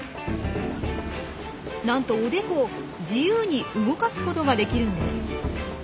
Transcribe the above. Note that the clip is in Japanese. なんとおでこを自由に動かすことができるんです！